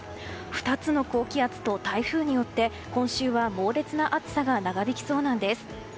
２つの高気圧と台風によって今週は猛烈な暑さが長引きそうなんです。